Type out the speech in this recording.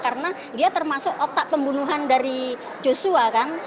karena dia termasuk otak pembunuhan dari joshua kan